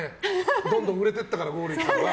どんどん売れてったから剛力さんが。